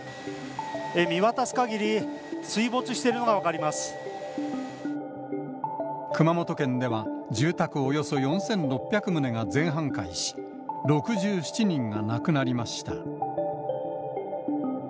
見渡す限り、水没しているの熊本県では、住宅およそ４６００棟が全半壊し、６７人が亡くなりました。